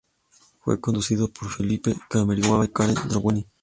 Fue conducido por Felipe Camiroaga y Karen Doggenweiler.